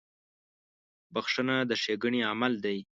• بخښنه د ښېګڼې عمل دی.